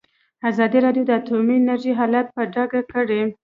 ازادي راډیو د اټومي انرژي حالت په ډاګه کړی.